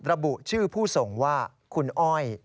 ระบุชื่อผู้ส่งว่าคุณอ้อย